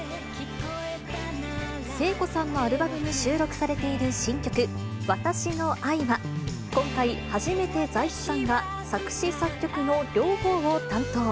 聖子さんのアルバムに収録されている新曲、私の愛は、今回、初めて財津さんが作詞作曲の両方を担当。